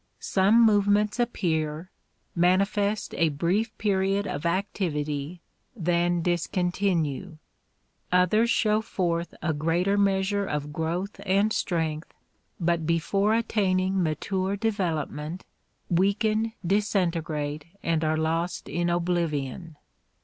Some movements appear, manifest a brief period of activity, then discontinue. Others show forth a greater measure of growth and strength, but before attaining matiiie development, weaken, disintegrate and are lost in oblivion.